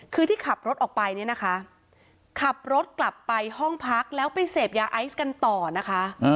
คือที่ขับรถออกไปเนี่ยนะคะขับรถกลับไปห้องพักแล้วไปเสพยาไอซ์กันต่อนะคะ